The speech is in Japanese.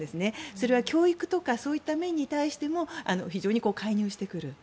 それは教育とかそういった面に対しても非常に介入してくる。